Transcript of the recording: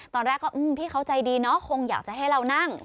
ตอนแรกก็พี่เขาใจดีเนาะคงอยากจะให้เรานั่ง